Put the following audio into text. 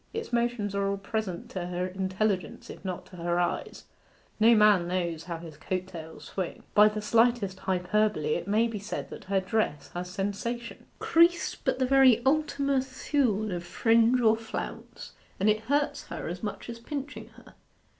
Its motions are all present to her intelligence if not to her eyes; no man knows how his coat tails swing. By the slightest hyperbole it may be said that her dress has sensation. Crease but the very Ultima Thule of fringe or flounce, and it hurts her as much as pinching her.